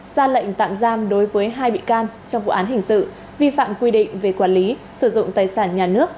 ra lệnh tạm giam đối với hai bị can trong vụ án hình sự vi phạm quy định về quản lý sử dụng tài sản nhà nước